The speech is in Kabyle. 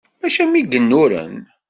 Mačči am yigennuren.